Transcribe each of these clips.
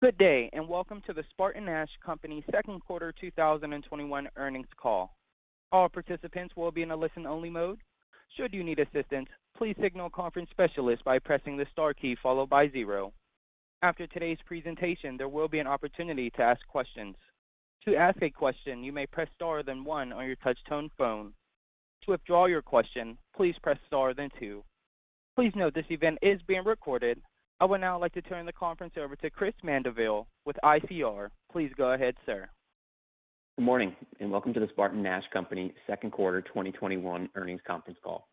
Good day, and welcome to the SpartanNash Company Second Quarter 2021 Earnings Call. All participants will be in a listen-only mode. Should you need assistance please signal a conference specialist by pressing the star key followed by zero. After today's presentation, there will be an opportunity to ask questions. To ask a question, you may press star then one on your touch-tone phone. To withdraw your question, please press star then two. Please note that this event is being recorded. I would now like to turn the conference over to Chris Mandeville with ICR. Please go ahead, sir. Good morning, and welcome to the SpartanNash Company second quarter 2021 earnings conference call.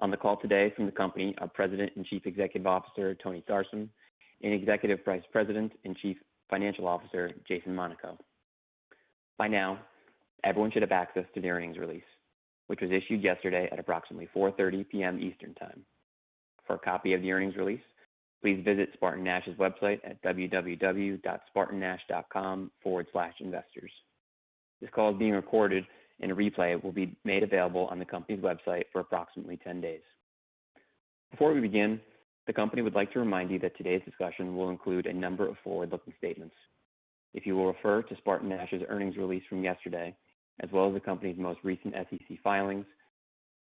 On the call today from the company are President and Chief Executive Officer, Tony Sarsam, and Executive Vice President and Chief Financial Officer, Jason Monaco. By now, everyone should have access to the earnings release, which was issued yesterday at approximately 4:30 P.M. Eastern Time. For a copy of the earnings release, please visit SpartanNash's website at www.spartannash.com/investors. This call is being recorded, and a replay will be made available on the company's website for approximately 10 days. Before we begin, the company would like to remind you that today's discussion will include a number of forward-looking statements. If you will refer to SpartanNash's earnings release from yesterday, as well as the company's most recent SEC filings,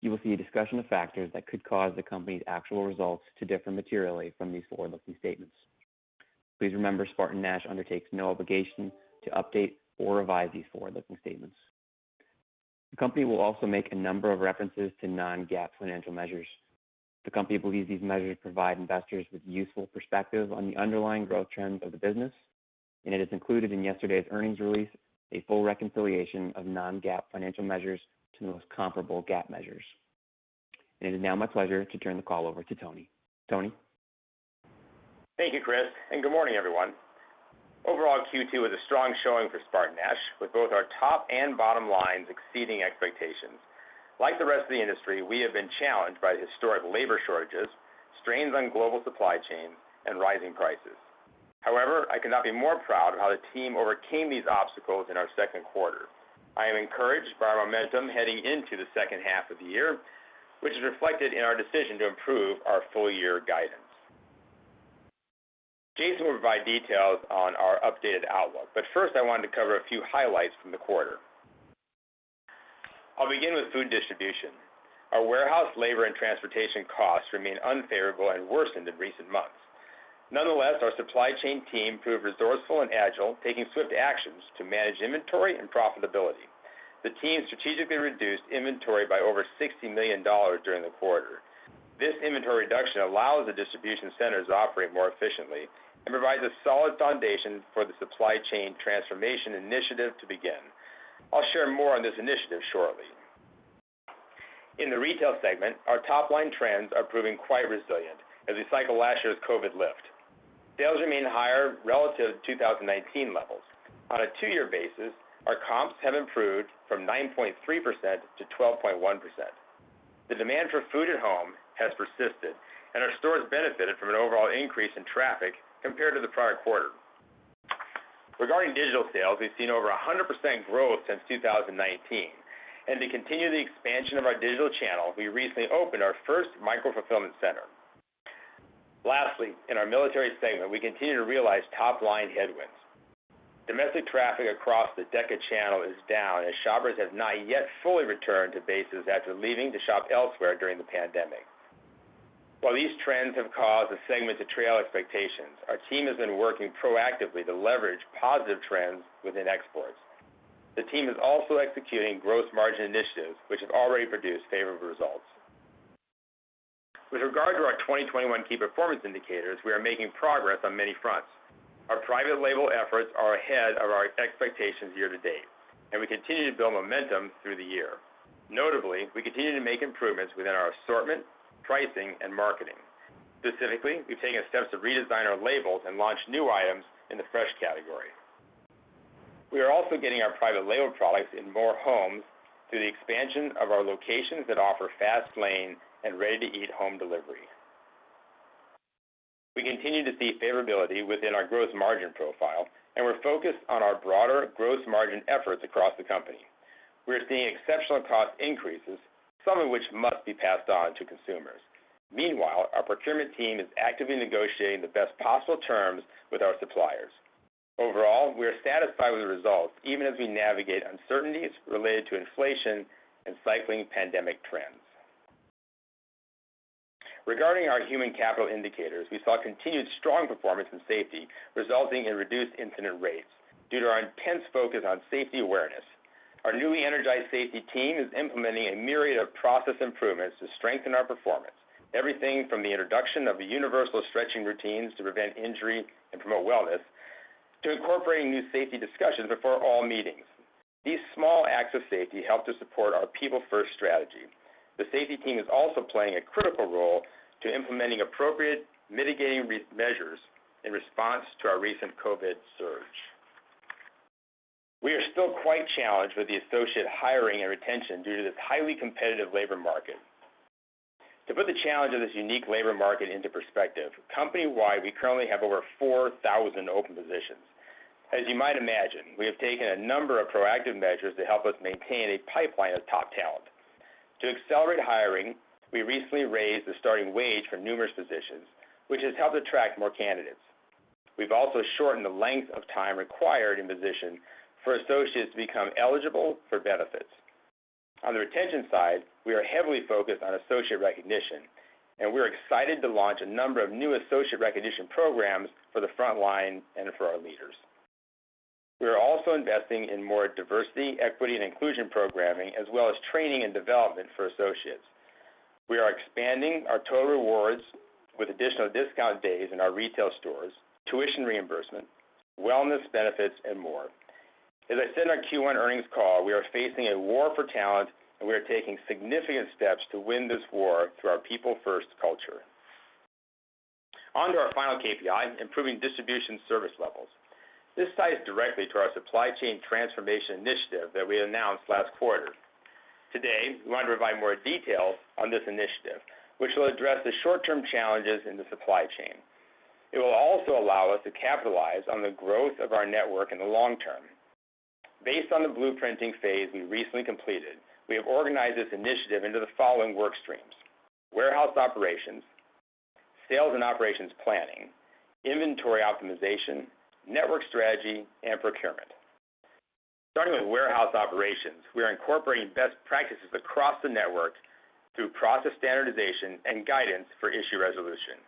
you will see a discussion of factors that could cause the company's actual results to differ materially from these forward-looking statements. Please remember, SpartanNash undertakes no obligation to update or revise these forward-looking statements. The company will also make a number of references to non-GAAP financial measures. The company believes these measures provide investors with useful perspective on the underlying growth trends of the business, and it is included in yesterday's earnings release, a full reconciliation of non-GAAP financial measures to the most comparable GAAP measures. It is now my pleasure to turn the call over to Tony. Tony? Thank you, Chris, and good morning, everyone. Overall, Q2 was a strong showing for SpartanNash, with both our top and bottom lines exceeding expectations. Like the rest of the industry, we have been challenged by historic labor shortages, strains on global supply chain, and rising prices. However, I could not be more proud of how the team overcame these obstacles in our second quarter. I am encouraged by our momentum heading into the second half of the year, which is reflected in our decision to improve our full-year guidance. Jason will provide details on our updated outlook. First, I wanted to cover a few highlights from the quarter. I'll begin with food distribution. Our warehouse labor and transportation costs remain unfavorable and worsened in recent months. Nonetheless, our supply chain team proved resourceful and agile, taking swift actions to manage inventory and profitability. The team strategically reduced inventory by over $60 million during the quarter. This inventory reduction allows the distribution centers to operate more efficiently and provides a solid foundation for the Supply Chain Transformation Initiative to begin. I'll share more on this initiative shortly. In the retail segment, our top-line trends are proving quite resilient as we cycle last year's COVID lift. Sales remain higher relative to 2019 levels. On a two-year basis, our comps have improved from 9.3%-12.1%. The demand for food at home has persisted, and our stores benefited from an overall increase in traffic compared to the prior quarter. Regarding digital sales, we've seen over 100% growth since 2019. To continue the expansion of our digital channel, we recently opened our first micro-fulfillment center. Lastly, in our Military segment, we continue to realize top-line headwinds. Domestic traffic across the DeCA channel is down as shoppers have not yet fully returned to bases after leaving to shop elsewhere during the pandemic. While these trends have caused the segment to trail expectations, our team has been working proactively to leverage positive trends within exports. The team is also executing gross margin initiatives, which have already produced favorable results. With regard to our 2021 Key Performance Indicators, we are making progress on many fronts. Our private label efforts are ahead of our expectations year to date, and we continue to build momentum through the year. Notably, we continue to make improvements within our assortment, pricing, and marketing. Specifically, we've taken steps to redesign our labels and launch new items in the fresh category. We are also getting our private label products in more homes through the expansion of our locations that offer Fast Lane and ready-to-eat home delivery. We continue to see favorability within our gross margin profile, and we're focused on our broader gross margin efforts across the company. We are seeing exceptional cost increases, some of which must be passed on to consumers. Meanwhile, our procurement team is actively negotiating the best possible terms with our suppliers. Overall, we are satisfied with the results, even as we navigate uncertainties related to inflation and cycling pandemic trends. Regarding our human capital indicators, we saw continued strong performance in safety, resulting in reduced incident rates due to our intense focus on safety awareness. Our newly energized safety team is implementing a myriad of process improvements to strengthen our performance. Everything from the introduction of the universal stretching routines to prevent injury and promote wellness, to incorporating new safety discussions before all meetings. These small acts of safety help to support our People First strategy. The safety team is also playing a critical role to implementing appropriate mitigating measures in response to our recent COVID surge. We are still quite challenged with the associate hiring and retention due to this highly competitive labor market. To put the challenge of this unique labor market into perspective, company-wide, we currently have over 4,000 open positions. As you might imagine, we have taken a number of proactive measures to help us maintain a pipeline of top talent. To accelerate hiring, we recently raised the starting wage for numerous positions, which has helped attract more candidates. We've also shortened the length of time required in position for associates to become eligible for benefits. On the retention side, we are heavily focused on associate recognition, and we're excited to launch a number of new associate recognition programs for the front line and for our leaders. We are also investing in more diversity, equity, and inclusion programming, as well as training and development for associates. We are expanding our total rewards with additional discount days in our retail stores, tuition reimbursement, wellness benefits, and more. As I said in our Q1 earnings call, we are facing a war for talent, and we are taking significant steps to win this war through our People First culture. On to our final KPI, improving distribution service levels. This ties directly to our supply chain transformation initiative that we announced last quarter. Today, we want to provide more details on this initiative, which will address the short-term challenges in the supply chain. It will also allow us to capitalize on the growth of our network in the long term. Based on the blueprinting phase we recently completed, we have organized this initiative into the following work streams: warehouse operations, sales and operations planning, inventory optimization, network strategy, and procurement. Starting with warehouse operations, we are incorporating best practices across the network through process standardization and guidance for issue resolution.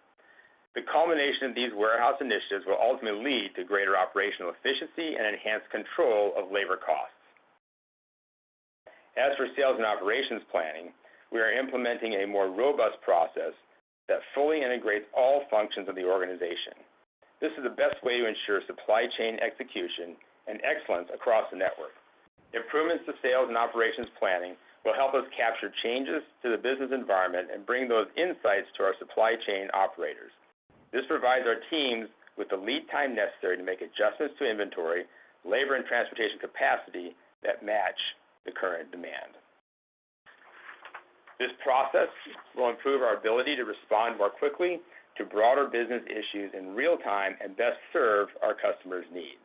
The culmination of these warehouse initiatives will ultimately lead to greater operational efficiency and enhanced control of labor costs. As for sales and operations planning, we are implementing a more robust process that fully integrates all functions of the organization. This is the best way to ensure supply chain execution and excellence across the network. Improvements to sales and operations planning will help us capture changes to the business environment and bring those insights to our supply chain operators. This provides our teams with the lead time necessary to make adjustments to inventory, labor, and transportation capacity that match the current demand. This process will improve our ability to respond more quickly to broader business issues in real time and best serve our customers' needs.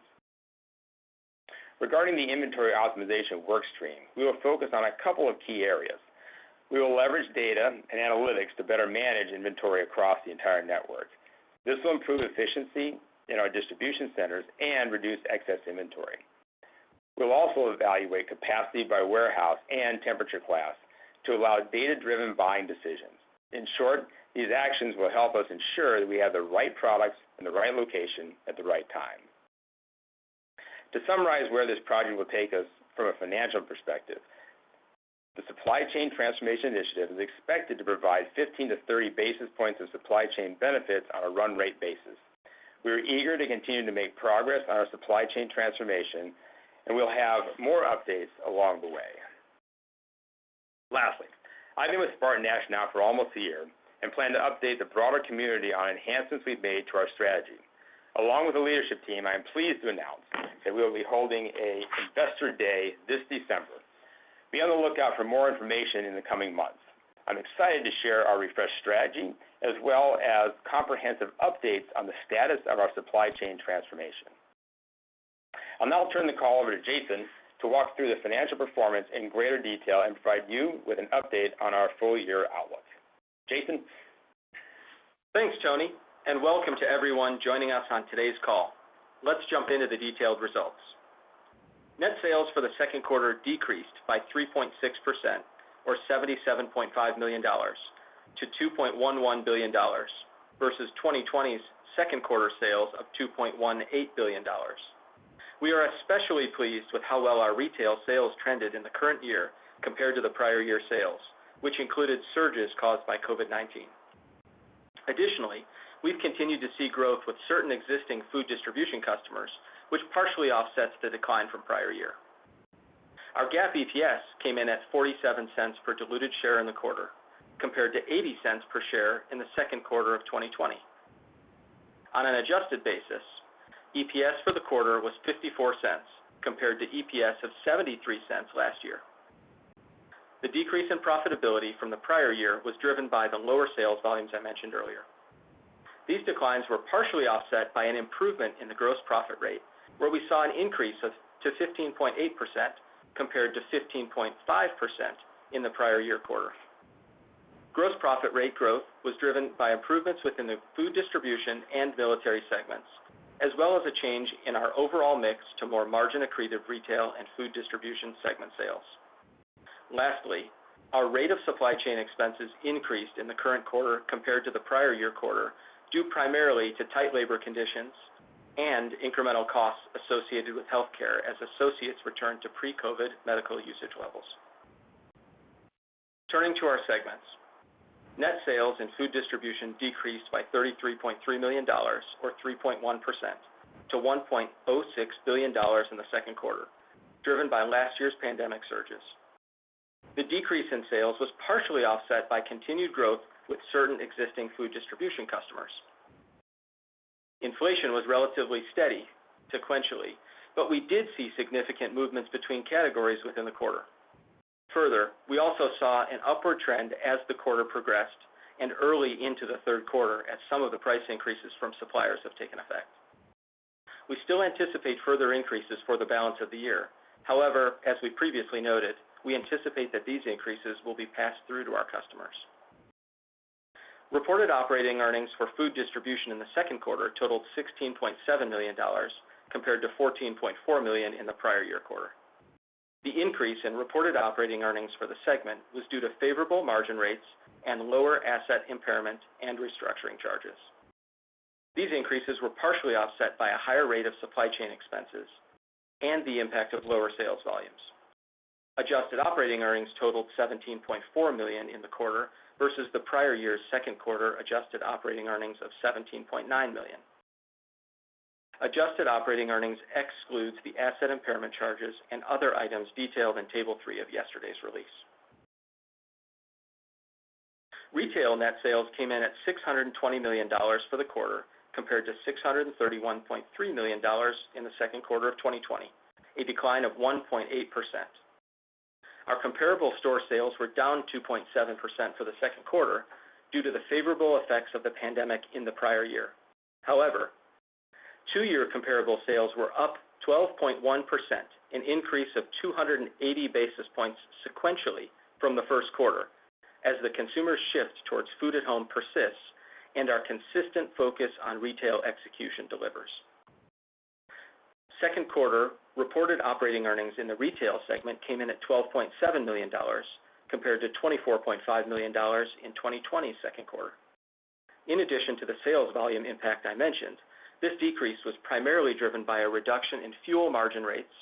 Regarding the inventory optimization work stream, we will focus on a couple of key areas. We will leverage data and analytics to better manage inventory across the entire network. This will improve efficiency in our distribution centers and reduce excess inventory. We'll also evaluate capacity by warehouse and temperature class to allow data-driven buying decisions. In short, these actions will help us ensure that we have the right products in the right location at the right time. To summarize where this project will take us from a financial perspective, the supply chain transformation initiative is expected to provide 15 basis points-30 basis points of supply chain benefits on a run rate basis. We are eager to continue to make progress on our supply chain transformation, we'll have more updates along the way. Lastly, I've been with SpartanNash now for almost a year and plan to update the broader community on enhancements we've made to our strategy. Along with the leadership team, I am pleased to announce that we will be holding a Investor Day this December. Be on the lookout for more information in the coming months. I'm excited to share our refreshed strategy as well as comprehensive updates on the status of our supply chain transformation. I'll now turn the call over to Jason to walk through the financial performance in greater detail and provide you with an update on our full year outlook. Jason? Thanks, Tony, and welcome to everyone joining us on today's call. Let's jump into the detailed results. Net sales for the second quarter decreased by 3.6%, or $77.5 million, to $2.11 billion, versus 2020's second quarter sales of $2.18 billion. We are especially pleased with how well our retail sales trended in the current year compared to the prior year sales, which included surges caused by COVID-19. Additionally, we've continued to see growth with certain existing food distribution customers, which partially offsets the decline from prior year. Our GAAP EPS came in at $0.47 per diluted share in the quarter, compared to $0.80 per share in the second quarter of 2020. On an adjusted basis, EPS for the quarter was $0.54, compared to EPS of $0.73 last year. The decrease in profitability from the prior year was driven by the lower sales volumes I mentioned earlier. These declines were partially offset by an improvement in the gross profit rate, where we saw an increase to 15.8%, compared to 15.5% in the prior year quarter. Gross profit rate growth was driven by improvements within the food distribution and Military segments, as well as a change in our overall mix to more margin-accretive retail and food distribution segment sales. Lastly, our rate of supply chain expenses increased in the current quarter compared to the prior year quarter, due primarily to tight labor conditions and incremental costs associated with healthcare as associates return to pre-COVID medical usage levels. Turning to our segments. Net sales and food distribution decreased by $33.3 million, or 3.1%, to $1.06 billion in the second quarter, driven by last year's pandemic surges. The decrease in sales was partially offset by continued growth with certain existing food distribution customers. Inflation was relatively steady sequentially, but we did see significant movements between categories within the quarter. Further, we also saw an upward trend as the quarter progressed and early into the third quarter as some of the price increases from suppliers have taken effect. We still anticipate further increases for the balance of the year. However, as we previously noted, we anticipate that these increases will be passed through to our customers. Reported operating earnings for food distribution in the second quarter totaled $16.7 million, compared to $14.4 million in the prior year quarter. The increase in reported operating earnings for the segment was due to favorable margin rates and lower asset impairment and restructuring charges. These increases were partially offset by a higher rate of supply chain expenses and the impact of lower sales volumes. Adjusted operating earnings totaled $17.4 million in the quarter versus the prior year's second quarter adjusted operating earnings of $17.9 million. Adjusted operating earnings excludes the asset impairment charges and other items detailed in Table 3 of yesterday's release. Retail net sales came in at $620 million for the quarter, compared to $631.3 million in the second quarter of 2020, a decline of 1.8%. Our comparable store sales were down 2.7% for the second quarter due to the favorable effects of the pandemic in the prior year. However, two-year comparable sales were up 12.1%, an increase of 280 basis points sequentially from the first quarter as the consumer shift towards food at home persists and our consistent focus on retail execution delivers. Second quarter reported operating earnings in the retail segment came in at $12.7 million, compared to $24.5 million in 2020's second quarter. In addition to the sales volume impact I mentioned, this decrease was primarily driven by a reduction in fuel margin rates,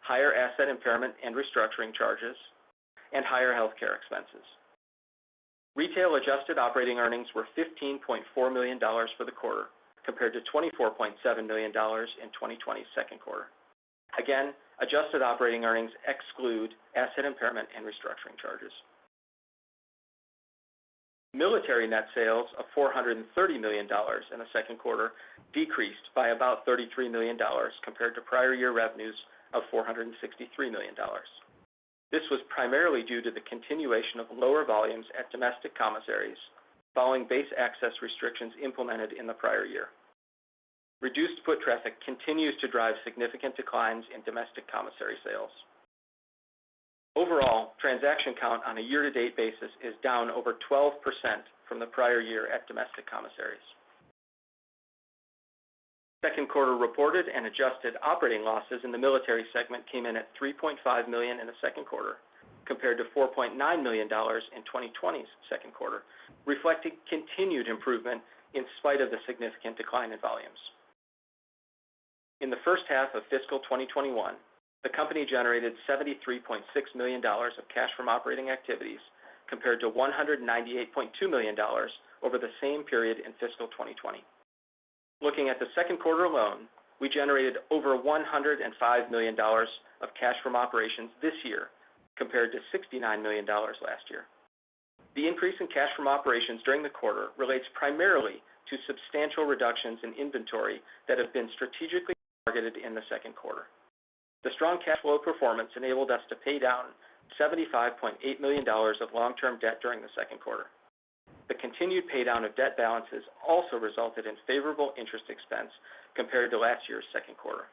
higher asset impairment and restructuring charges, and higher healthcare expenses. Retail adjusted operating earnings were $15.4 million for the quarter, compared to $24.7 million in 2020's second quarter. Again, adjusted operating earnings exclude asset impairment and restructuring charges. Military net sales of $430 million in the second quarter decreased by about $33 million compared to prior year revenues of $463 million. This was primarily due to the continuation of lower volumes at domestic commissaries following base access restrictions implemented in the prior year. Reduced foot traffic continues to drive significant declines in domestic commissary sales. Overall, transaction count on a year-to-date basis is down over 12% from the prior year at domestic commissaries. Second quarter reported and adjusted operating losses in the Military segment came in at $3.5 million in the second quarter, compared to $4.9 million in 2020's second quarter, reflecting continued improvement in spite of the significant decline in volumes. In the first half of fiscal 2021, the company generated $73.6 million of cash from operating activities, compared to $198.2 million over the same period in fiscal 2020. Looking at the second quarter alone, we generated over $105 million of cash from operations this year, compared to $69 million last year. The increase in cash from operations during the quarter relates primarily to substantial reductions in inventory that have been strategically targeted in the second quarter. The strong cash flow performance enabled us to pay down $75.8 million of long-term debt during the second quarter. The continued paydown of debt balances also resulted in favorable interest expense compared to last year's second quarter.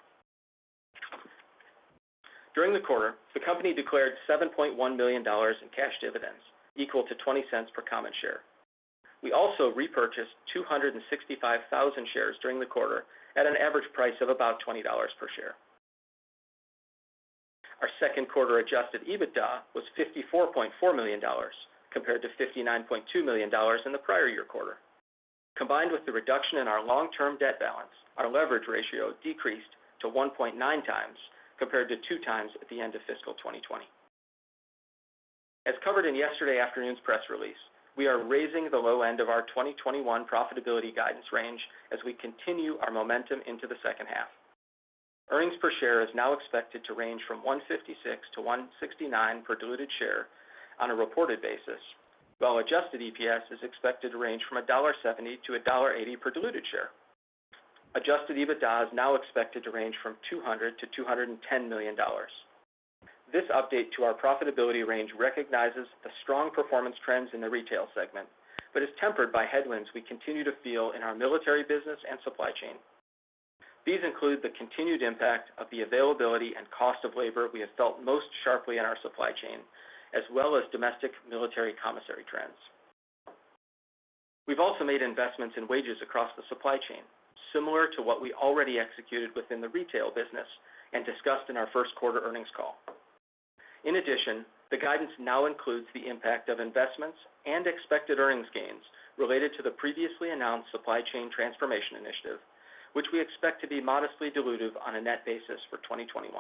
During the quarter, the company declared $7.1 million in cash dividends, equal to $0.20 per common share. We also repurchased 265,000 shares during the quarter at an average price of about $20 per share. Our second quarter adjusted EBITDA was $54.4 million, compared to $59.2 million in the prior year quarter. Combined with the reduction in our long-term debt balance, our leverage ratio decreased to 1.9 times, compared to 2 times at the end of fiscal 2020. As covered in yesterday afternoon's press release, we are raising the low end of our 2021 profitability guidance range as we continue our momentum into the second half. Earnings per share is now expected to range from $1.56-$1.69 per diluted share on a reported basis, while adjusted EPS is expected to range from $1.70-$1.80 per diluted share. Adjusted EBITDA is now expected to range from $200 million-$210 million. This update to our profitability range recognizes the strong performance trends in the retail segment, but is tempered by headwinds we continue to feel in our Military business and supply chain. These include the continued impact of the availability and cost of labor we have felt most sharply in our supply chain, as well as domestic military commissary trends. We've also made investments in wages across the supply chain, similar to what we already executed within the retail business and discussed in our first quarter earnings call. In addition, the guidance now includes the impact of investments and expected earnings gains related to the previously announced Supply Chain Transformation Initiative, which we expect to be modestly dilutive on a net basis for 2021.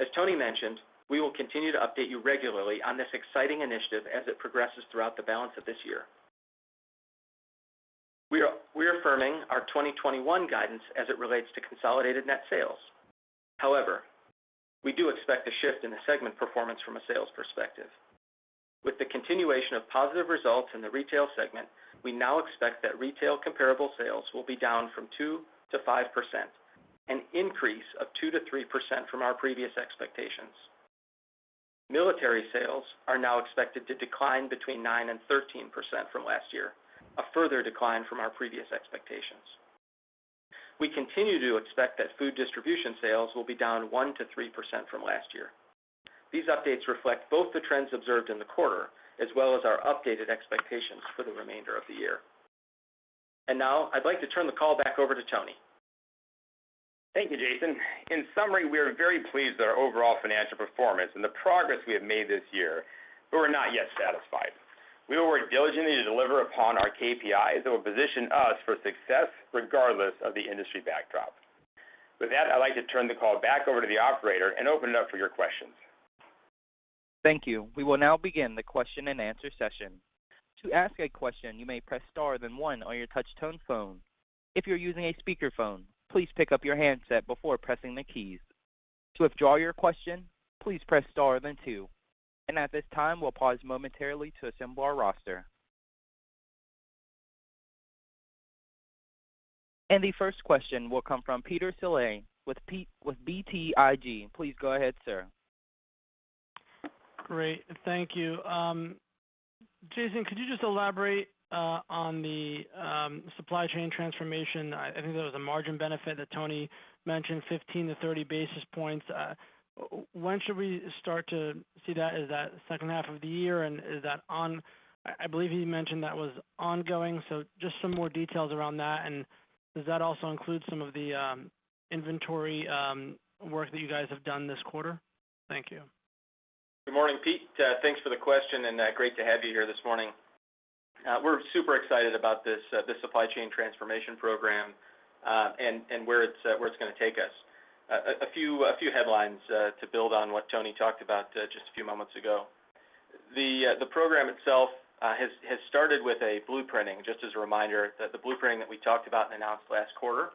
As Tony mentioned, we will continue to update you regularly on this exciting initiative as it progresses throughout the balance of this year. We're affirming our 2021 guidance as it relates to consolidated net sales. However, we do expect a shift in the segment performance from a sales perspective. With the continuation of positive results in the retail segment, we now expect that retail comparable sales will be down from 2% to 5%, an increase of 2%-3% from our previous expectations. Military sales are now expected to decline between 9% and 13% from last year, a further decline from our previous expectations. We continue to expect that food distribution sales will be down 1%-3% from last year. These updates reflect both the trends observed in the quarter as well as our updated expectations for the remainder of the year. Now I'd like to turn the call back over to Tony. Thank you, Jason. In summary, we are very pleased with our overall financial performance and the progress we have made this year. We are not yet satisfied. We will work diligently to deliver upon our KPIs that will position us for success regardless of the industry backdrop. I'd like to turn the call back over to the operator and open it up for your questions. Thank you. We will now begin the question and answer session. To ask a question, you may press star then one on your touch-tone phone. If you're using a speaker phone, please pick up your handset before pressing the keys. To withdraw your question, please press star then two. At this time, we'll pause momentarily to assemble our roster. The first question will come from Peter Saleh with BTIG. Please go ahead, sir. Great. Thank you. Jason, could you just elaborate on the supply chain transformation? I think there was a margin benefit that Tony mentioned, 15 basis points-30 basis points. When should we start to see that? Is that second half of the year? I believe he mentioned that was ongoing. Just some more details around that. Does that also include some of the inventory work that you guys have done this quarter? Thank you. Good morning, Pete. Thanks for the question and great to have you here this morning. We're super excited about this supply chain transformation program and where it's going to take us. A few headlines to build on what Tony talked about just a few moments ago. The program itself has started with a blueprinting. Just as a reminder, the blueprinting that we talked about and announced last quarter,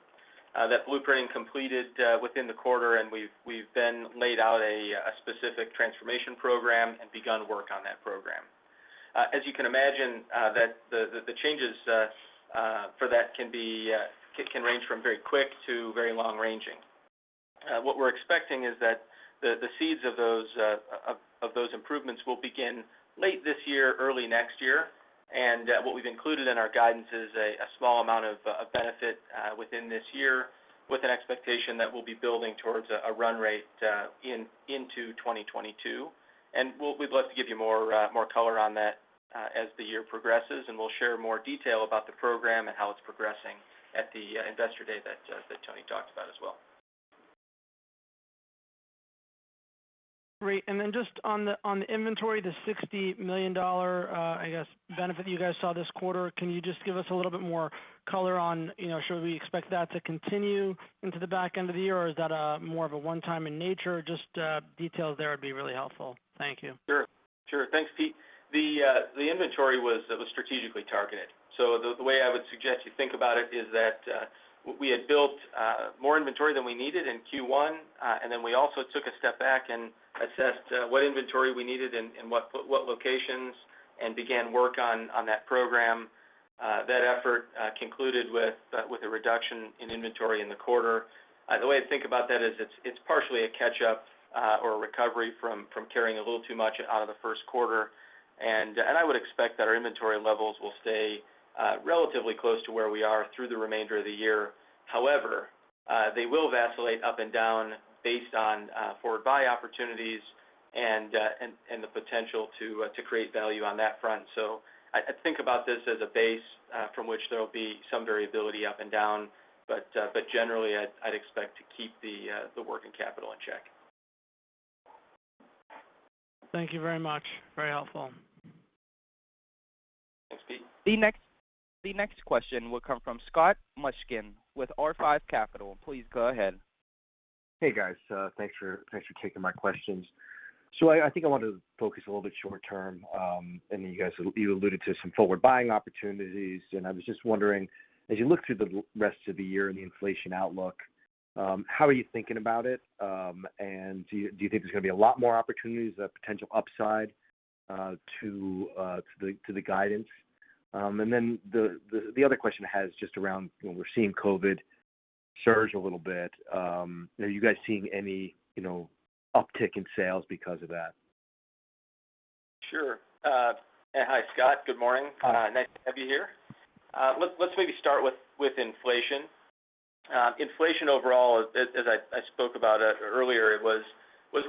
that blueprinting completed within the quarter, and we've then laid out a specific transformation program and begun work on that program. As you can imagine, the changes for that can range from very quick to very long-ranging. What we're expecting is that the seeds of those improvements will begin late this year, early next year. What we've included in our guidance is a small amount of benefit within this year with an expectation that we'll be building towards a run rate into 2022. We'd love to give you more color on that as the year progresses and we'll share more detail about the program and how it's progressing at the Investor Day that Tony talked about as well. Great. Just on the inventory, the $60 million, I guess, benefit you guys saw this quarter, can you just give us a little bit more color on should we expect that to continue into the back end of the year, or is that more of a one-time in nature? Just details there would be really helpful. Thank you. Sure. Thanks, Pete. The inventory was strategically targeted. The way I would suggest you think about it is that we had built more inventory than we needed in Q1, and then we also took a step back and assessed what inventory we needed in what locations, and began work on that program. That effort concluded with a reduction in inventory in the quarter. The way to think about that is it's partially a catch-up or a recovery from carrying a little too much out of the first quarter, and I would expect that our inventory levels will stay relatively close to where we are through the remainder of the year. However, they will vacillate up and down based on forward buy opportunities and the potential to create value on that front. I think about this as a base from which there will be some variability up and down. Generally, I'd expect to keep the working capital in check. Thank you very much. Very helpful. Thanks, Pete. The next question will come from Scott Mushkin with R5 Capital. Please go ahead. Hey, guys. Thanks for taking my questions. I think I want to focus a little bit short term. You alluded to some forward buying opportunities, and I was just wondering, as you look to the rest of the year and the inflation outlook, how are you thinking about it? Do you think there's going to be a lot more opportunities, a potential upside to the guidance? The other question has just around, we're seeing COVID surge a little bit. Are you guys seeing any uptick in sales because of that? Sure. Hi, Scott. Good morning. Nice to have you here. Let's maybe start with inflation. Inflation overall, as I spoke about it earlier, was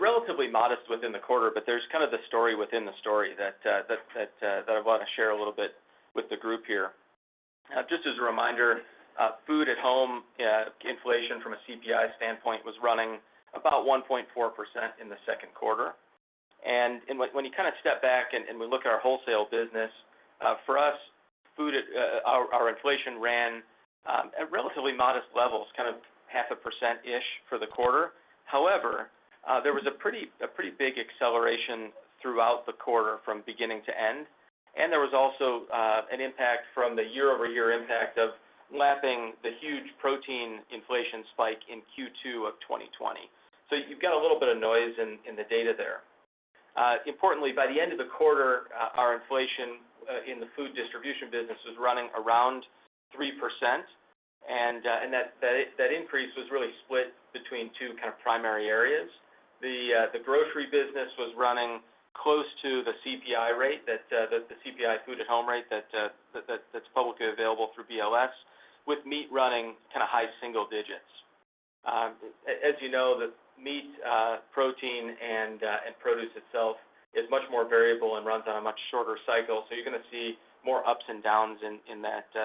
relatively modest within the quarter, but there's kind of the story within the story that I want to share a little bit with the group here. Just as a reminder, food at home inflation from a CPI standpoint was running about 1.4% in the second quarter. When you kind of step back and we look at our wholesale business, for us, our inflation ran at relatively modest levels, kind of half a percent-ish for the quarter. However, there was a pretty big acceleration throughout the quarter from beginning to end. There was also an impact from the year-over-year impact of lapping the huge protein inflation spike in Q2 2020. You've got a little bit of noise in the data there. Importantly, by the end of the quarter, our inflation in the food distribution business was running around 3%, and that increase was really split between two primary areas. The grocery business was running close to the CPI rate, the CPI food at home rate that's publicly available through BLS, with meat running high single digits. As you know, the meat, protein, and produce itself is much more variable and runs on a much shorter cycle. You're going to see more ups and downs in that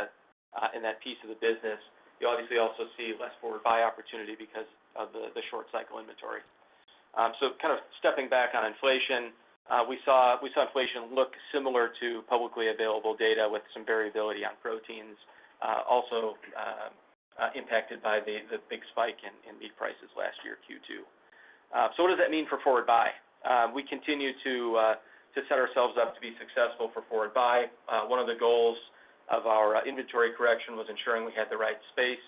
piece of the business. You obviously also see less forward buy opportunity because of the short cycle inventory. Stepping back on inflation, we saw inflation look similar to publicly available data with some variability on proteins, also impacted by the big spike in meat prices last year, Q2. What does that mean for forward buy? We continue to set ourselves up to be successful for forward buy. One of the goals of our inventory correction was ensuring we had the right space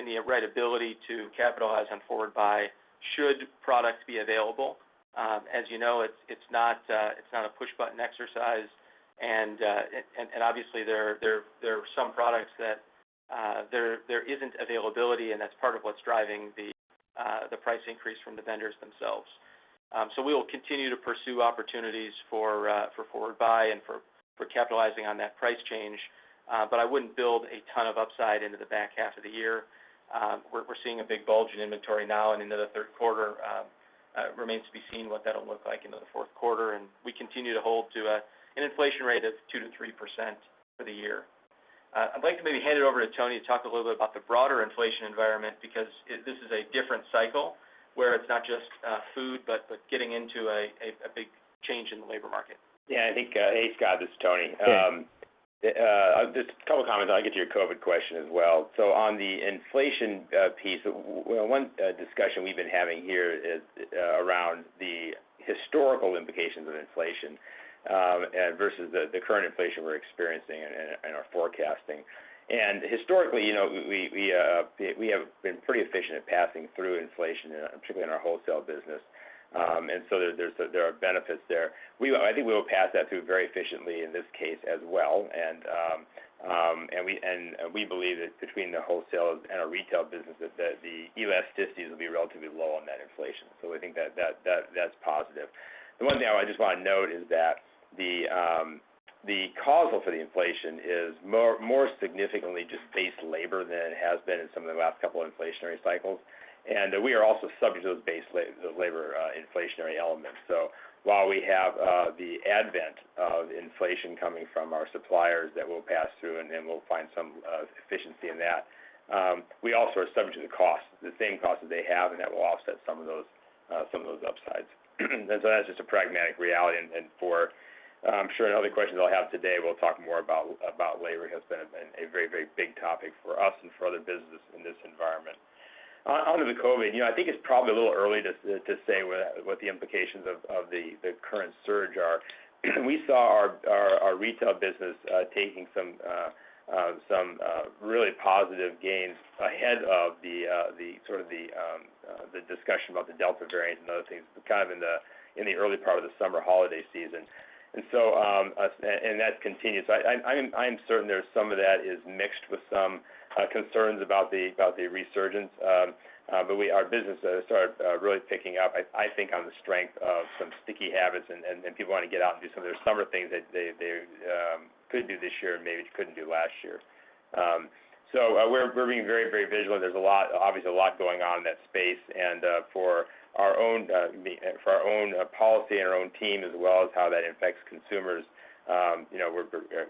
and the right ability to capitalize on forward buy should products be available. As you know, it's not a push-button exercise, and obviously, there are some products that there isn't availability, and that's part of what's driving the price increase from the vendors themselves. We will continue to pursue opportunities for forward buy and for capitalizing on that price change. I wouldn't build a ton of upside into the back half of the year. We're seeing a big bulge in inventory now and into the third quarter. It remains to be seen what that'll look like into the fourth quarter, and we continue to hold to an inflation rate of 2%-3% for the year. I'd like to maybe hand it over to Tony to talk a little bit about the broader inflation environment, because this is a different cycle where it's not just food, but getting into a big change in the labor market. Yeah, I think. Hey, Scott, this is Tony. Yeah. Just a couple of comments. I'll get to your COVID question as well. On the inflation piece, one discussion we've been having here is around the historical implications of inflation versus the current inflation we're experiencing and are forecasting. Historically, we have been pretty efficient at passing through inflation, particularly in our wholesale business. So there are benefits there. I think we will pass that through very efficiently in this case as well. We believe that between the wholesale and our retail businesses that the U.S. will be relatively low on that inflation. I think that's positive. The one thing I just want to note is that the causal for the inflation is more significantly just base labor than it has been in some of the last couple of inflationary cycles. We are also subject to those base labor inflationary elements. While we have the advent of inflation coming from our suppliers that we'll pass through and then we'll find some efficiency in that, we also are subject to the costs, the same costs that they have, and that will offset some of those upsides. That's just a pragmatic reality. I'm sure in other questions I'll have today, we'll talk more about labor has been a very big topic for us and for other businesses in this environment. Onto COVID, I think it's probably a little early to say what the implications of the current surge are. We saw our retail business taking some really positive gains ahead of the discussion about the Delta variant and other things, kind of in the early part of the summer holiday season. That continues. I am certain there is some of that is mixed with some concerns about the resurgence. Our business started really picking up, I think, on the strength of some sticky habits and people wanting to get out and do some of their summer things that they could do this year and maybe couldn't do last year. We're being very vigilant. There's obviously a lot going on in that space, and for our own policy and our own team, as well as how that affects consumers,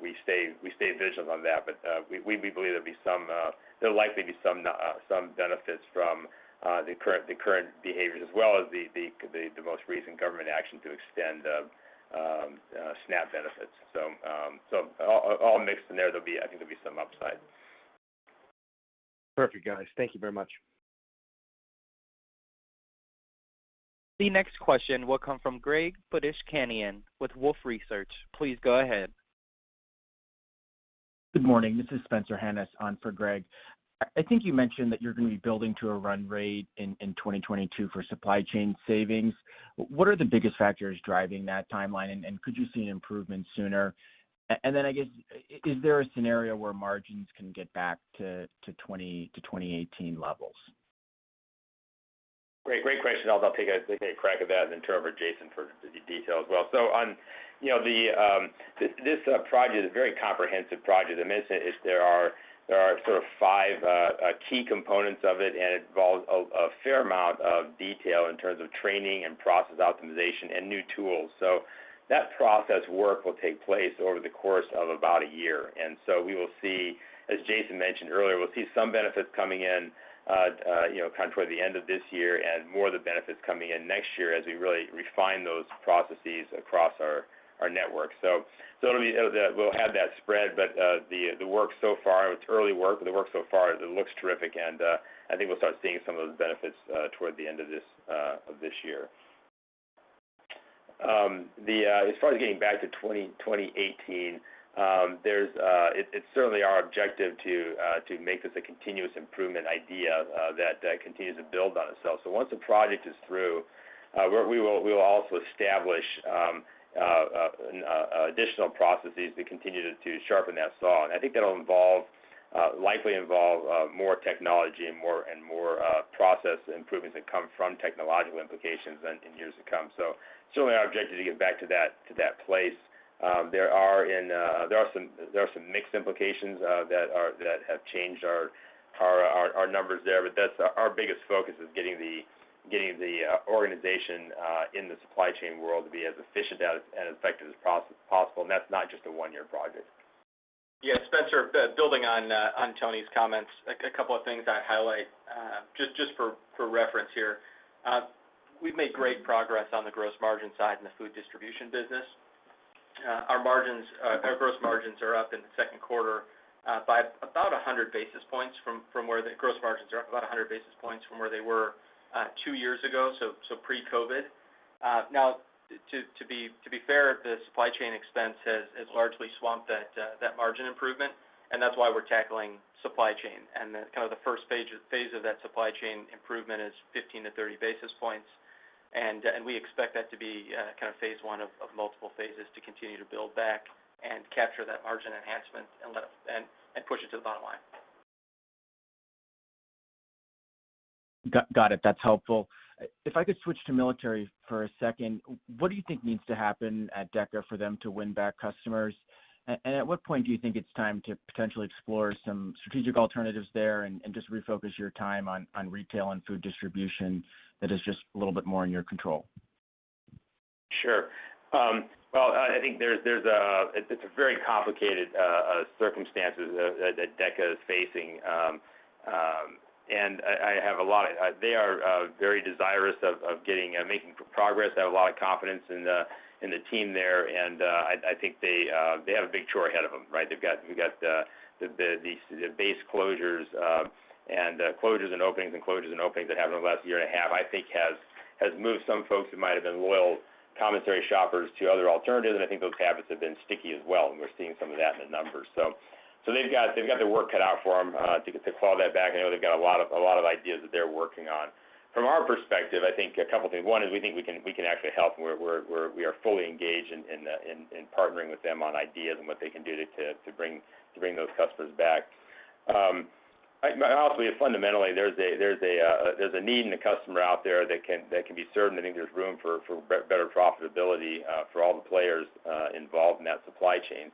we stay vigilant on that. We believe there'll likely be some benefits from the current behaviors as well as the most recent government action to extend SNAP benefits. All mixed in there, I think there'll be some upside. Perfect, guys. Thank you very much. The next question will come from Greg Badishkanian with Wolfe Research. Please go ahead. Good morning. This is Spencer Hanus on for Greg. I think you mentioned that you're going to be building to a run rate in 2022 for supply chain savings. What are the biggest factors driving that timeline, and could you see an improvement sooner? I guess, is there a scenario where margins can get back to 2018 levels? Great question. I'll take a crack at that and then turn over to Jason for the details as well. This project is a very comprehensive project. There are sort of five key components of it, and it involves a fair amount of detail in terms of training and process optimization and new tools. That process work will take place over the course of about a year. We will see, as Jason mentioned earlier, we'll see some benefits coming in kind of toward the end of this year and more of the benefits coming in next year as we really refine those processes across our network. We'll have that spread, but the work so far, it's early work, but the work so far, it looks terrific, and I think we'll start seeing some of the benefits toward the end of this year. As far as getting back to 2018, it's certainly our objective to make this a continuous improvement idea that continues to build on itself. Once a project is through, we will also establish additional processes to continue to sharpen that saw. I think that'll likely involve more technology and more process improvements that come from technological implications in years to come. Certainly our objective to get back to that place. There are some mixed implications that have changed our numbers there, but our biggest focus is getting the organization in the supply chain world to be as efficient and effective as possible. That's not just a one-year project. Yeah, Spencer, building on Tony's comments, a couple of things I highlight just for reference here. We've made great progress on the gross margin side in the food distribution business. Our gross margins are up in the second quarter by about 100 basis points from where they were two years ago, so pre-COVID. Now, to be fair, the supply chain expense has largely swamped that margin improvement, and that's why we're tackling supply chain. The first phase of that supply chain improvement is 15 basis points-30 basis points, and we expect that to be phase one of multiple phases to continue to build back and capture that margin enhancement and push it to the bottom line. Got it. That's helpful. If I could switch to Military for a second, what do you think needs to happen at DeCA for them to win back customers? At what point do you think it's time to potentially explore some strategic alternatives there and just refocus your time on retail and food distribution that is just a little bit more in your control? Sure. Well, I think it's very complicated circumstances that DeCA is facing. They are very desirous of making progress. They have a lot of confidence in the team there, and I think they have a big chore ahead of them, right? They've got the base closures and the closures and openings that happened over the last year and a half, I think, has moved some folks who might've been loyal commissary shoppers to other alternatives, and I think those habits have been sticky as well, and we're seeing some of that in the numbers. They've got their work cut out for them to claw that back. I know they've got a lot of ideas that they're working on. From our perspective, I think a couple of things. One is we think we can actually help and we are fully engaged in partnering with them on ideas and what they can do to bring those customers back. Honestly, fundamentally, there's a need in the customer out there that can be served, and I think there's room for better profitability for all the players involved in that supply chain.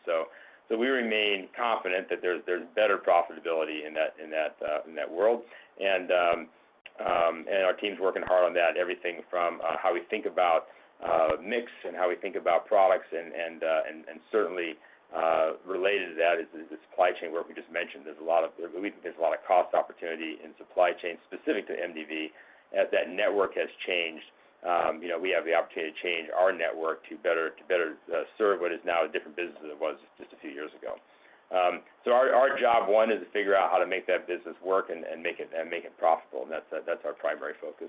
We remain confident that there's better profitability in that world, and our team's working hard on that. Everything from how we think about mix and how we think about products and certainly related to that is the supply chain work we just mentioned. We think there's a lot of cost opportunity in supply chain specific to MDV as that network has changed. We have the opportunity to change our network to better serve what is now a different business than it was just a few years ago. Our job, one, is to figure out how to make that business work and make it profitable, and that's our primary focus.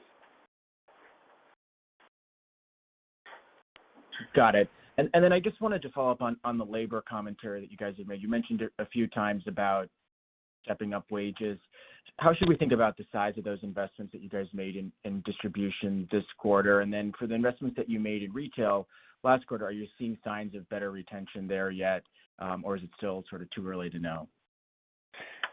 Got it. I just wanted to follow up on the labor commentary that you guys have made. You mentioned it a few times about stepping up wages. How should we think about the size of those investments that you guys made in distribution this quarter? For the investments that you made in retail last quarter, are you seeing signs of better retention there yet? Or is it still sort of too early to know?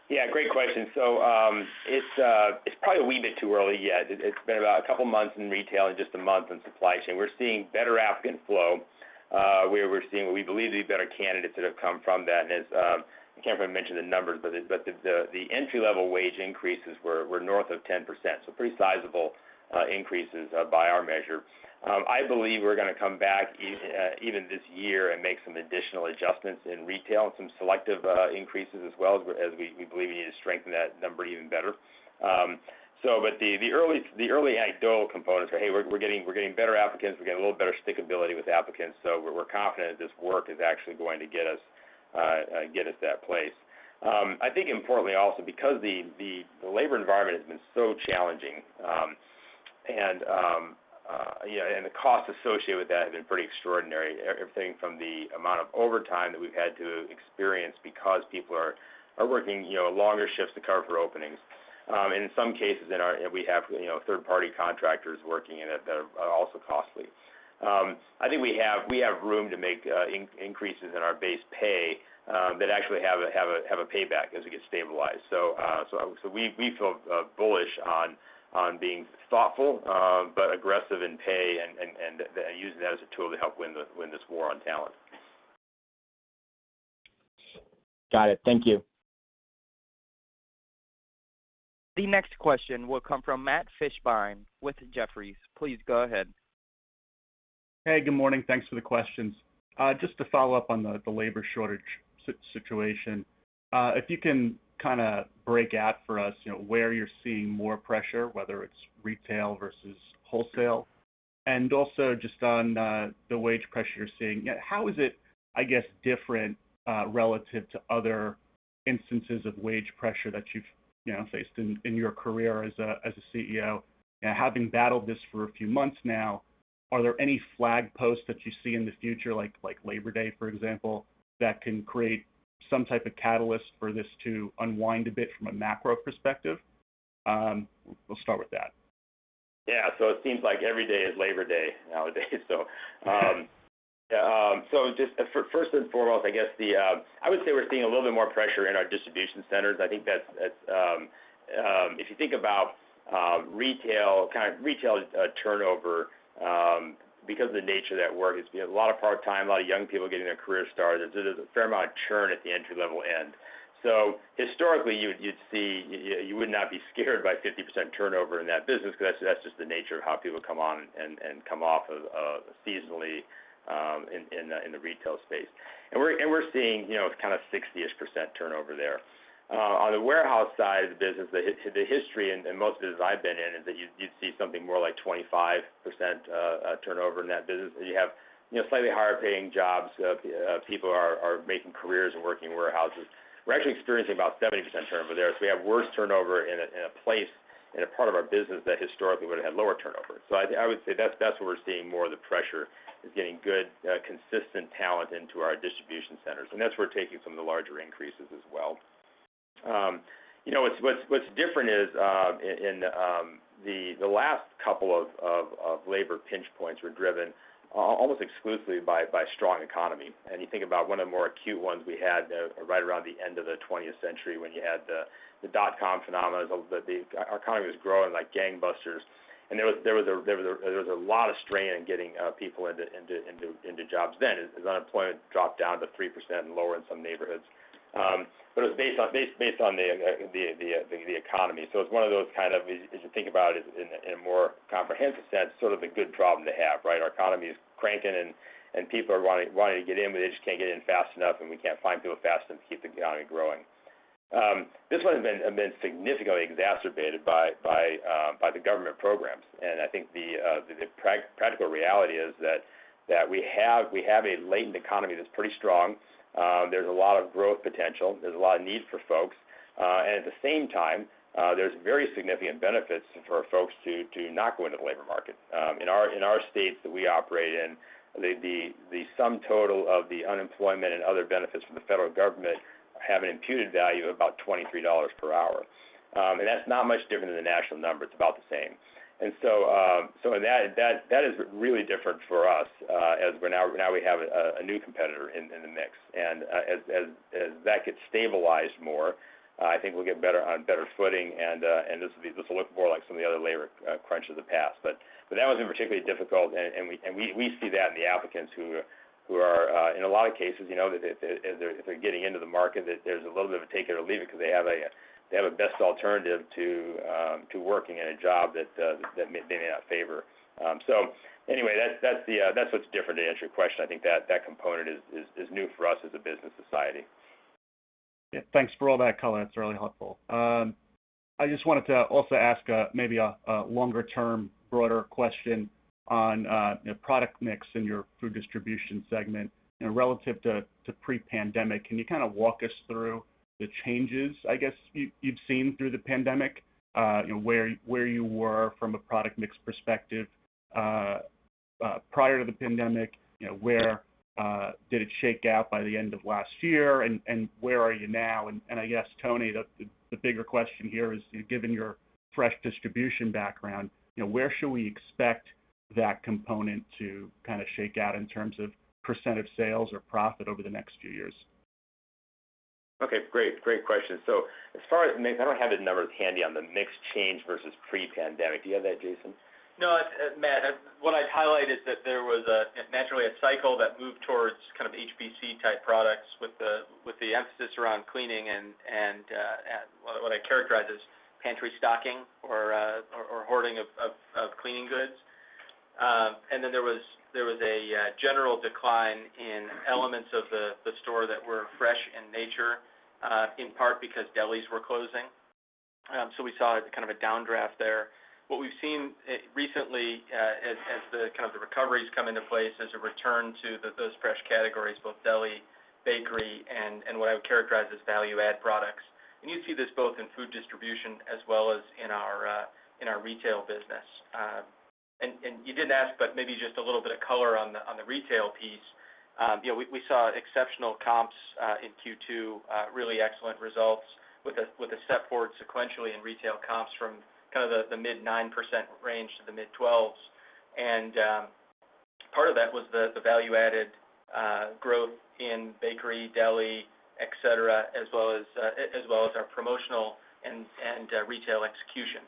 Yeah, great question. It's probably a wee bit too early yet. It's been about a couple of months in retail and just a month in supply chain. We're seeing better applicant flow, where we're seeing what we believe to be better candidates that have come from that. I can't remember who mentioned the numbers, but the entry level wage increases were north of 10%, so pretty sizable increases by our measure. I believe we're going to come back even this year and make some additional adjustments in retail and some selective increases as well, as we believe we need to strengthen that number even better. The early anecdotal components are, hey, we're getting better applicants. We're getting a little better stickability with applicants. We're confident that this work is actually going to get us that place. I think importantly also because the labor environment has been so challenging, and the costs associated with that have been pretty extraordinary. Everything from the amount of overtime that we've had to experience because people are working longer shifts to cover for openings. In some cases, we have third party contractors working in it that are also costly. I think we have room to make increases in our base pay that actually have a payback as we get stabilized. We feel bullish on being thoughtful but aggressive in pay and using that as a tool to help win this war on talent. Got it. Thank you. The next question will come from Matt Fishbein with Jefferies. Please go ahead. Hey, good morning. Thanks for the questions. Just to follow up on the labor shortage situation. If you can kind of break out for us where you're seeing more pressure, whether it's retail versus wholesale? Also just on the wage pressure you're seeing, how is it, I guess, different relative to other? Instances of wage pressure that you've faced in your career as a CEO. Now, having battled this for a few months now, are there any flag posts that you see in the future, like Labor Day, for example, that can create some type of catalyst for this to unwind a bit from a macro perspective? We'll start with that. Yeah. It seems like every day is Labor Day nowadays. Just first and foremost, I would say we're seeing a little bit more pressure in our distribution centers. If you think about retail turnover, because of the nature of that work, it's a lot of part-time, a lot of young people getting their career started. There's a fair amount of churn at the entry level end. Historically, you would not be scared by 50% turnover in that business because that's just the nature of how people come on and come off seasonally, in the retail space. We're seeing kind of 60%-ish turnover there. On the warehouse side of the business, the history, and most of the business I've been in, is that you'd see something more like 25% turnover in that business. You have slightly higher paying jobs, people are making careers and working in warehouses. We're actually experiencing about 70% turnover there. We have worse turnover in a part of our business that historically would've had lower turnover. I would say that's where we're seeing more of the pressure is getting good, consistent talent into our distribution centers, and that's where we're taking some of the larger increases as well. What's different is, in the last couple of labor pinch points were driven almost exclusively by strong economy. You think about one of the more acute ones we had right around the end of the 20th century when you had the dot-com phenomenon. Our economy was growing like gangbusters, and there was a lot of strain in getting people into jobs then, as unemployment dropped down to 3% and lower in some neighborhoods. It was based on the economy. It's one of those kind of, as you think about it in a more comprehensive sense, sort of a good problem to have, right? Our economy is cranking and people are wanting to get in, but they just can't get in fast enough, and we can't find people fast enough to keep the economy growing. This one has been significantly exacerbated by the government programs. I think the practical reality is that we have a latent economy that's pretty strong. There's a lot of growth potential, there's a lot of need for folks. At the same time, there's very significant benefits for folks to not go into the labor market. In our states that we operate in, the sum total of the unemployment and other benefits from the Federal Government have an imputed value of about $23 per hour. That's not much different than the national number. It's about the same. That is really different for us, as now we have a new competitor in the mix. As that gets stabilized more, I think we'll get on better footing and this will look more like some of the other labor crunches of the past. That one's been particularly difficult and we see that in the applicants who are, in a lot of cases, if they're getting into the market, that there's a little bit of a take it or leave it because they have a best alternative to working in a job that they may not favor. Anyway, that's what's different, to answer your question. I think that component is new for us as a business society. Yeah. Thanks for all that color. That's really helpful. I just wanted to also ask maybe a longer term, broader question on product mix in your food distribution segment relative to pre-pandemic. Can you kind of walk us through the changes, I guess, you've seen through the pandemic? Where you were from a product mix perspective prior to the pandemic, where did it shake out by the end of last year, and where are you now? I guess, Tony, the bigger question here is, given your fresh distribution background, where should we expect that component to kind of shake out in terms of percent of sales or profit over the next few years? Okay, great question. As far as mix, I don't have the numbers handy on the mix change versus pre-pandemic. Do you have that, Jason? No, Matt, what I'd highlight is that there was, naturally, a cycle that moved towards kind of HBC type products with the emphasis around cleaning and what I characterize as pantry stocking or hoarding of cleaning goods. There was a general decline in elements of the store that were fresh in nature, in part because delis were closing. We saw kind of a downdraft there. What we've seen recently, as the kind of the recoveries come into place, there's a return to those fresh categories, both deli, bakery, and what I would characterize as value add products. You see this both in food distribution as well as in our retail business. You didn't ask, but maybe just a little bit of color on the retail piece. We saw exceptional comps in Q2, really excellent results with a step forward sequentially in retail comps from kind of the mid-9% range to the mid-12s. Part of that was the value added growth in bakery, deli, et cetera, as well as our promotional and retail execution.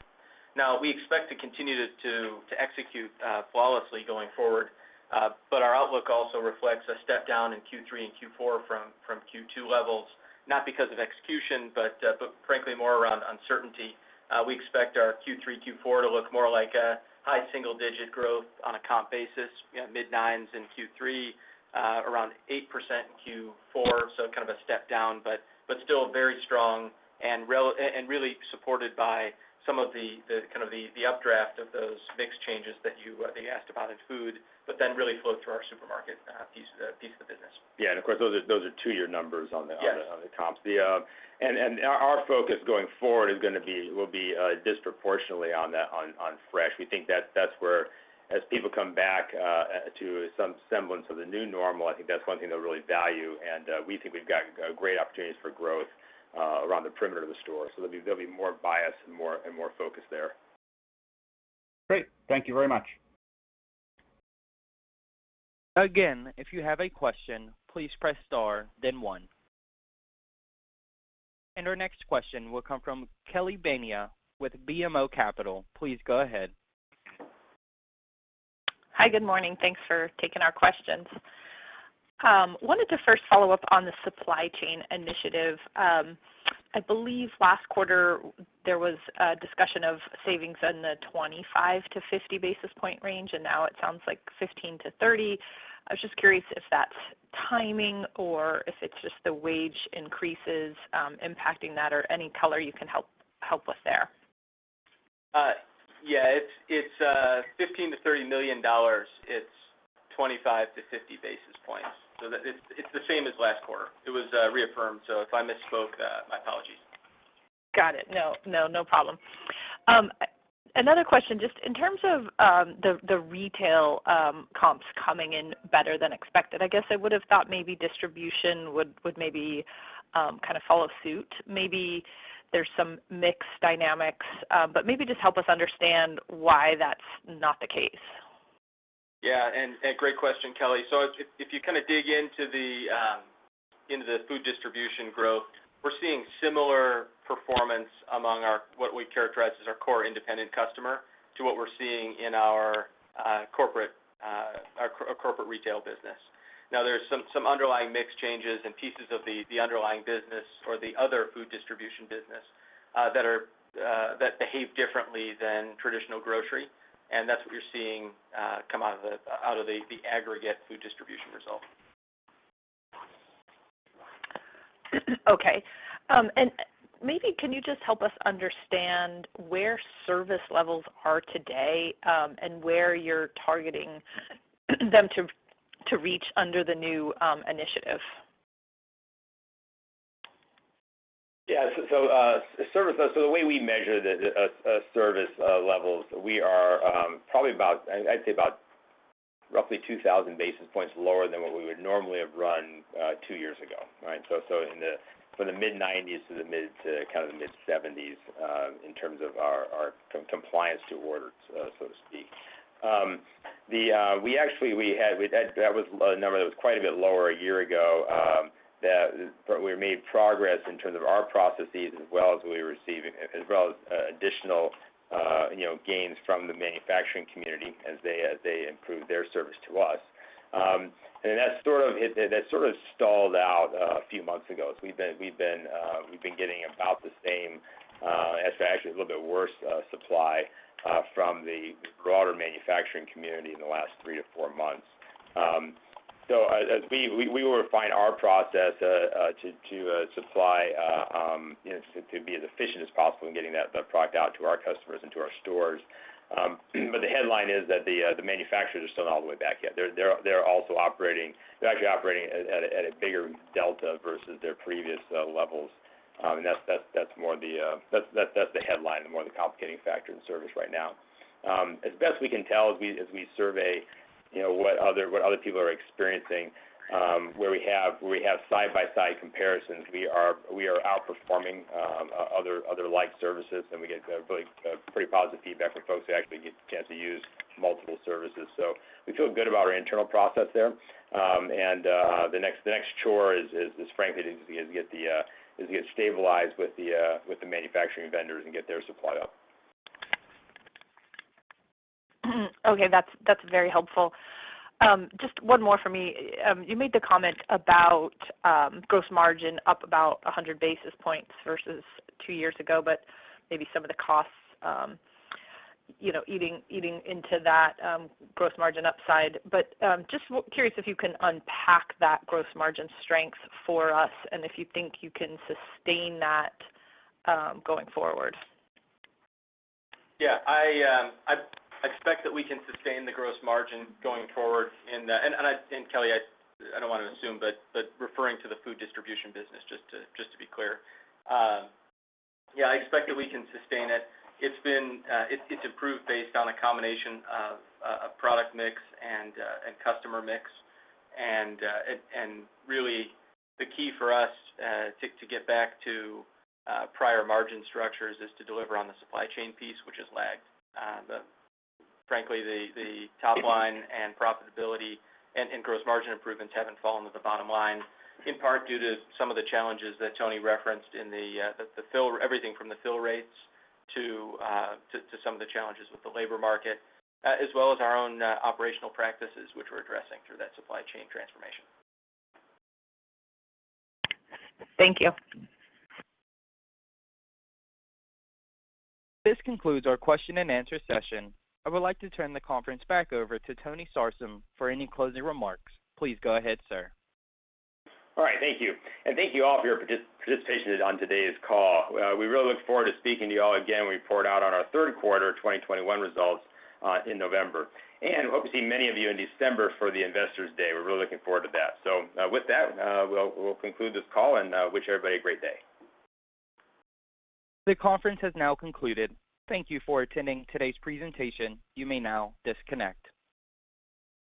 Now, we expect to continue to execute flawlessly going forward. Our outlook also reflects a step down in Q3 and Q4 from Q2 levels, not because of execution, but frankly more around uncertainty. We expect our Q3, Q4 to look more like a high single-digit growth on a comp basis, mid-9s in Q3, around 8% in Q4. Kind of a step down, but still very strong. Really supported by some of the updraft of those mix changes that you asked about in food, then really flowed through our supermarket piece of the business. Yeah. Of course, those are two-year numbers. Yes Comps. Our focus going forward will be disproportionately on fresh. We think that's where, as people come back to some semblance of the new normal, I think that's one thing they'll really value, and we think we've got great opportunities for growth around the perimeter of the store. There'll be more bias and more focus there. Great. Thank you very much. Again, if you have a question, please press star then one. Our next question will come from Kelly Bania with BMO Capital. Please go ahead. Hi. Good morning. Thanks for taking our questions. Wanted to first follow up on the supply chain initiative. I believe last quarter there was a discussion of savings in the 25 basis point-50 basis point range, and now it sounds like 15 basis points-30 basis points. I was just curious if that's timing or if it's just the wage increases impacting that or any color you can help us there. Yeah. It's $15 million-$30 million. It's 25 basis points-50 basis points. It's the same as last quarter. It was reaffirmed. If I misspoke, my apologies. Got it. No. No problem. Another question, just in terms of the retail comps coming in better than expected, I guess I would've thought maybe distribution would maybe follow suit. Maybe there's some mix dynamics, but maybe just help us understand why that's not the case. Yeah, great question, Kelly. If you dig into the food distribution growth, we're seeing similar performance among what we characterize as our core independent customer to what we're seeing in our corporate retail business. Now, there's some underlying mix changes and pieces of the underlying business or the other food distribution business that behave differently than traditional grocery, that's what you're seeing come out of the aggregate food distribution result. Okay. Maybe can you just help us understand where service levels are today and where you're targeting them to reach under the new initiative? Yeah. The way we measure the service levels, we are probably about, I'd say about roughly 2,000 basis points lower than what we would normally have run two years ago, right? In the mid-90s to the mid-70s in terms of our compliance to orders, so to speak. That was a number that was quite a bit lower a year ago, but we made progress in terms of our processes as well as we were receiving, as well as additional gains from the manufacturing community as they improved their service to us. That sort of stalled out a few months ago. We've been getting about the same, actually a little bit worse, supply from the broader manufacturing community in the last three to four months. As we refine our process to supply, to be as efficient as possible in getting that product out to our customers and to our stores. The headline is that the manufacturers aren't all the way back yet. They're actually operating at a bigger delta versus their previous levels. That's the headline and more the complicating factor in service right now. As best we can tell, as we survey what other people are experiencing, where we have side-by-side comparisons, we are outperforming other like services, and we get really pretty positive feedback from folks who actually get the chance to use multiple services. We feel good about our internal process there. The next chore is, frankly, is to get stabilized with the manufacturing vendors and get their supply up. Okay. That's very helpful. Just one more for me. You made the comment about gross margin up about 100 basis points versus two years ago, maybe some of the costs eating into that gross margin upside. Just curious if you can unpack that gross margin strength for us and if you think you can sustain that going forward. Yeah. I expect that we can sustain the gross margin going forward. Kelly, I don't want to assume, but referring to the food distribution business, just to be clear. Yeah, I expect that we can sustain it. It's improved based on a combination of product mix and customer mix. Really the key for us to get back to prior margin structures is to deliver on the supply chain piece, which has lagged. Frankly, the top line and profitability and gross margin improvements haven't fallen to the bottom line, in part due to some of the challenges that Tony referenced in everything from the fill rates to some of the challenges with the labor market, as well as our own operational practices, which we're addressing through that supply chain transformation. Thank you. This concludes our question and answer session. I would like to turn the conference back over to Tony Sarsam for any closing remarks. Please go ahead, sir. All right. Thank you. Thank you all for your participation on today's call. We really look forward to speaking to you all again when we report out on our third quarter 2021 results in November. Hope to see many of you in December for the Investors Day. We're really looking forward to that. With that, we'll conclude this call and wish everybody a great day. The conference has now concluded. Thank you for attending today's presentation. You may now disconnect.